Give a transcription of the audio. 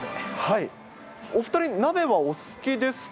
お２人、鍋はお好きですか。